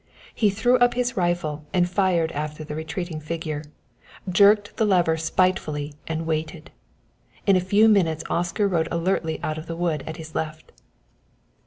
He threw up his rifle and fired after the retreating figure, jerked the lever spitefully and waited. In a few minutes Oscar rode alertly out of the wood at his left.